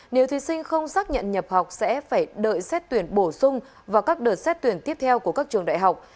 nếu thí sinh không xác nhận nhập học sẽ phải đợi xét tuyển bổ sung vào các đợt xét tuyển tiếp theo của các trường đại học